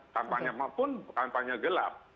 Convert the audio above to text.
kampanye maupun kampanye gelap